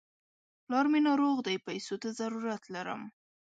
پلار مې ناروغ دی، پيسو ته ضرورت لرم.